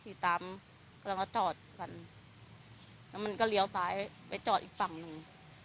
ขี่ตามกำลังมาจอดกันแล้วมันก็เลี้ยวซ้ายไปจอดอีกฝั่งหนึ่ง